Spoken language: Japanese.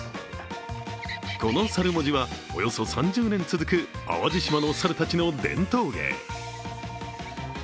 この猿文字はおよそ３０年続く淡路島の猿たちの伝統芸。